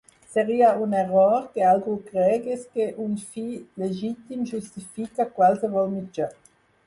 Seria un error que algú cregués que un fi legítim justifica qualsevol mitjà.